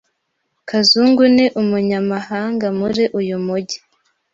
Kazungu ni umunyamahanga muri uyu mujyi.